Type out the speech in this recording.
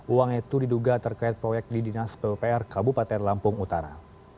uang itu diduga terkait proyek di dinas pupr kabupaten lampung utara